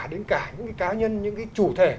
đến cả những cái cá nhân những cái chủ thể